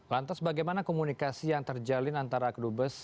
lantas bagaimana komunikasi yang terjalin antara akdu bes